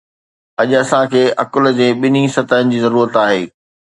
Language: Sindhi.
اڄ اسان کي عقل جي ٻنهي سطحن جي ضرورت آهي